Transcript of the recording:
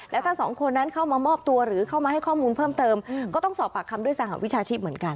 และถ้าสองคนนั้นเข้ามามอบตัวหรือเข้ามาให้ข้อมูลเพิ่มเติมก็ต้องสอบปากคำด้วยสหวิชาชีพเหมือนกัน